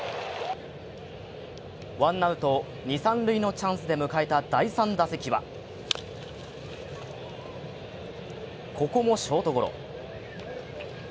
ワンアウトニ・三塁のチャンスで迎えた第３打席はここもショートゴロ。